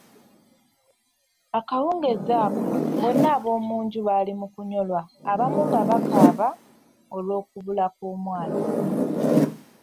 Akawungezi ako bonna ab'omunju bali mu kunnyolwa, abamu nga bakaaba olw'okubula kw'omwana.